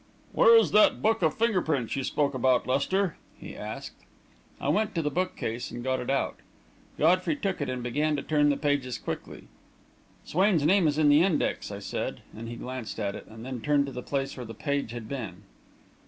"Where is that book of finger prints you spoke about, Lester?" he asked. I went to the book case and got it out. Godfrey took it and began to turn the pages quickly. "Swain's name is in the index," I said, and he glanced at it, and then turned to the place where the page had been.